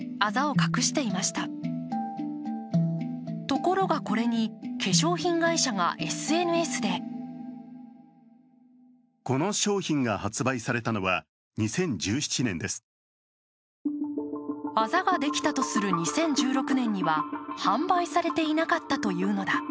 ところが、これに化粧品会社がＳＮＳであざができたとする２０１６年には販売されていなかったというのだ。